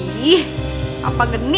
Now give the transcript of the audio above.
ih papa genit